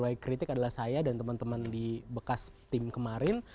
yang kritik adalah saya dan teman teman di bekas tim kemarin